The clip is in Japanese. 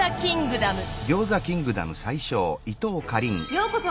ようこそ！